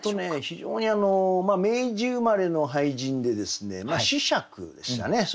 非常に明治生まれの俳人でですね子爵でしたね。